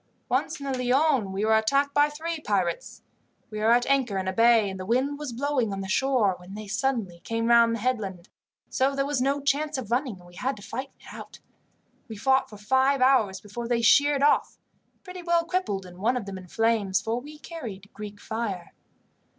Once in the Lion we were attacked by three pirates. We were at anchor in a bay, and the wind was blowing on the shore, when they suddenly came round the headland, so there was no chance of running, and we had to fight it out. We fought for five hours before they sheered off, pretty well crippled, and one of them in flames, for we carried Greek fire.